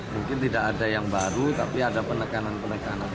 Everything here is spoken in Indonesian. mungkin tidak ada yang baru tapi ada penekanan penekanan